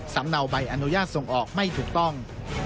เนาใบอนุญาตส่งออกไม่ถูกต้อง